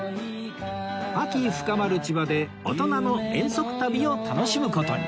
秋深まる千葉で大人の遠足旅を楽しむ事に